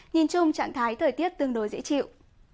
nhìn chung trạng thái thời tiết tương đối dễ chịu